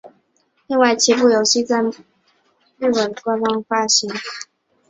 另外七部游戏未在日本以外官方发行。